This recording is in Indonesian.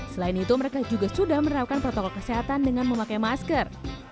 selain itu mereka juga sudah menerapkan protokol kesehatan dengan memakai masker